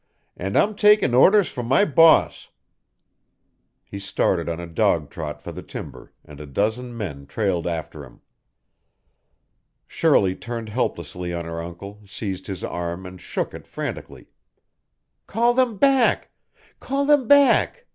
"And I'm takin' orders from my boss." He started on a dog trot for the timber, and a dozen men trailed after him. Shirley turned helplessly on her uncle, seized his arm and shook it frantically. "Call them back! Call them back!"